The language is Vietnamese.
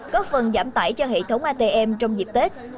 góp phần giảm tải cho hệ thống atm trong dịp tết